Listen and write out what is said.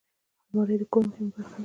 الماري د کور مهمه برخه ده